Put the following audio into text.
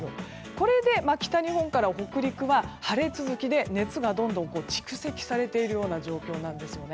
これで北日本から北陸は晴れ続きで熱がどんどん蓄積されているような状況です。